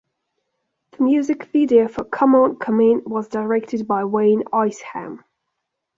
The music video for "Come On, Come In" was directed by Wayne Isham.